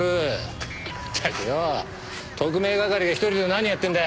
ったくよお特命係が一人で何やってんだ。